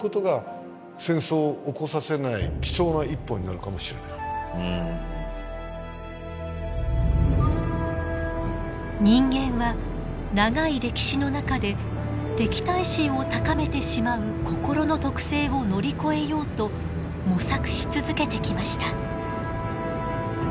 今だからおっしゃったように例えば今人間は長い歴史の中で敵対心を高めてしまう心の特性を乗り越えようと模索し続けてきました。